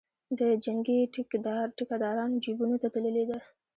د جنګي ټیکدارانو جیبونو ته تللې ده.